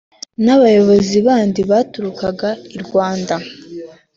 n’abayobozi bandi baturukaga i Rwanda